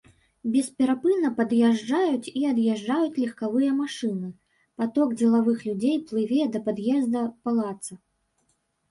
Бесперапынна пад'язджаюць і ад'язджаюць легкавыя машыны, паток дзелавых людзей плыве да пад'езда палаца.